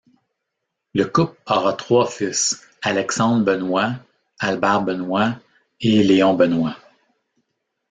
Le couple aura trois fils Alexandre Benois, Albert Benois et Léon Benois.